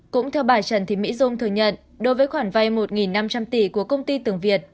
cũng theo bà trần thị mỹ dung thừa nhận đối với khoản vay một năm trăm linh tỷ của công ty tường việt